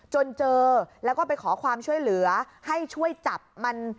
จนเจอแล้วก็ไปขอความช่วยเหลือให้ช่วยจับมัน